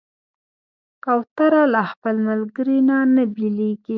کوتره له خپل ملګري نه نه بېلېږي.